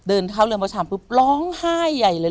เดินเข้าเรือนประชามปุ๊บร้องไห้ใหญ่เลย